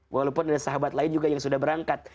walaupun ada sahabat lain juga yang sudah berangkat